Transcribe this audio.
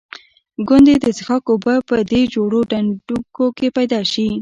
ګوندې د څښاک اوبه په دې جوړو ډنډوکو کې پیدا شي.